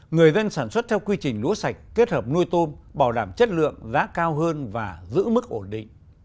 người dân sản xuất theo quy trình lúa sạch kết hợp nuôi tôm bảo đảm chất lượng giá cao hơn và giữ mức ổn định